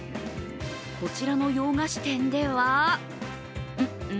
こちらの洋菓子店ではうん！？